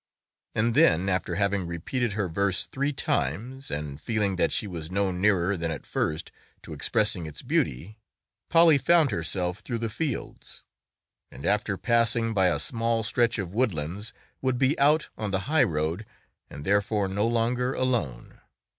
And then, after having repeated her verse three times and feeling that she was no nearer than at first to expressing its beauty, Polly found herself through the fields and after passing by a small stretch of woodlands would be out on the high road and therefore no longer alone.